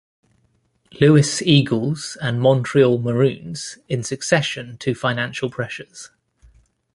Louis Eagles, and Montreal Maroons in succession to financial pressures.